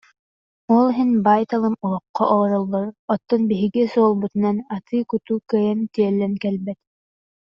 Ол иһин баай-талым олоххо олороллор, оттон биһиги суолбутунан атыы-кутуу кыайан тиэллэн кэлбэт